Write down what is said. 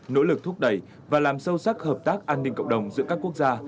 nỗ lực thúc đẩy và làm sâu sắc hợp tác an ninh cộng đồng giữa các quốc gia